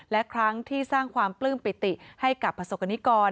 และครั้งที่สร้างความปลื้มปิติให้กับประสบกรณิกร